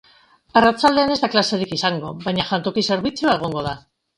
Arratsaldean ez da klaserik izango, baina jantoki-zerbitzua egongo da.